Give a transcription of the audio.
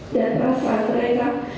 dan merasa tereka